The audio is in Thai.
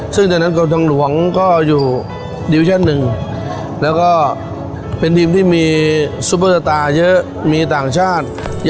ซึ่งจังกับนักหนังกเรืองก็อยู่ซีวิชย์๑